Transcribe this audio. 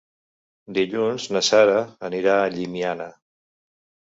Dilluns na Sara anirà a Llimiana.